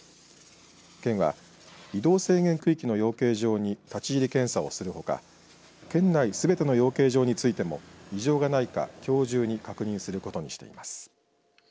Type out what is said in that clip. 県は移動制限区域の養鶏場に立ち入り検査をするほか県内すべての養鶏場についても異常がないかきょう中に確認することにしています。